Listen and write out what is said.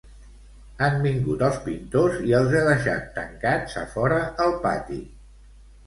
Han vingut els pintors i els he deixat tancats a fora el pati